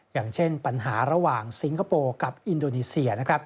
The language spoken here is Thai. อย่างเช่นปัญหาระหว่างสิงคโปร์กับอินโดนีเซีย